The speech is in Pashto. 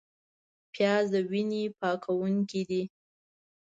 پیاز د وینې پاکوونکی دی